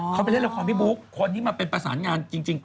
เขาไปเล่นละครพี่บุ๊คคนที่มาเป็นประสานงานจริง